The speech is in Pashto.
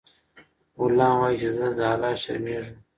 غلام وایي چې زه له الله شرمیږم.